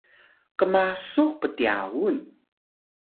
qmasux ptyawun